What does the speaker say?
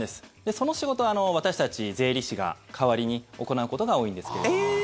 その仕事、私たち税理士が代わりに行うことが多いんですけれども。